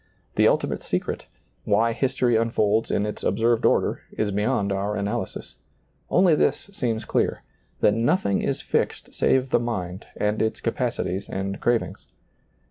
The ultimate secret, — why history unfolds in its observed order, — is beyond ^lailizccbvGoOgle 178 SEEING DARKLY our analysis. Only this seems clear, that notliing is fixed save the mind and its capacities and crav ings.